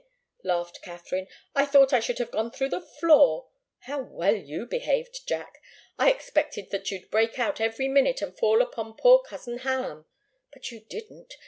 laughed Katharine. "I thought I should have gone through the floor! How well you behaved, Jack! I expected that you'd break out every minute and fall upon poor cousin Ham. But you didn't.